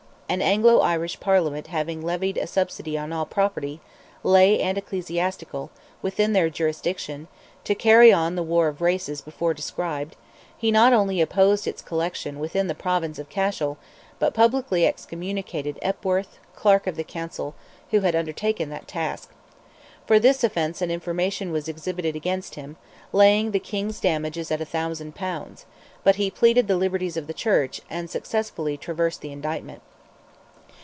An Anglo Irish Parliament having levied a subsidy on all property, lay and ecclesiastical, within their jurisdiction, to carry on the war of races before described, he not only opposed its collection within the Province of Cashel, but publicly excommunicated Epworth, Clerk of the Council, who had undertaken that task. For this offence an information was exhibited against him, laying the King's damages at a thousand pounds; but he pleaded the liberties of the Church, and successfully traversed the indictment.